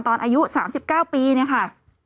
อายุ๓๙ปีเนี่ยค่ะ